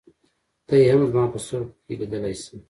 ته يې هم زما په سترګو کې لیدلای شې.